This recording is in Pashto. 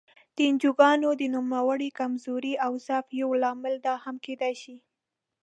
د انجوګانو د نوموړې کمزورۍ او ضعف یو لامل دا هم کېدای شي.